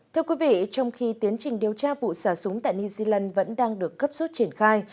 thưa quý vị trong khi tiến trình điều tra vụ xả súng tại new zealand vẫn đang được cấp rút triển khai